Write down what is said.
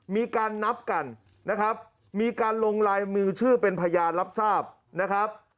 มีการนับกันมีการลงลายมือชื่อเป็นพญานรับทราบ